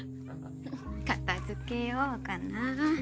片付けようかなぁ。